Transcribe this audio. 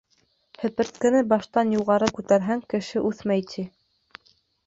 Һеперткене баштан юғары күтәрһәң, кеше үҫмәй, ти.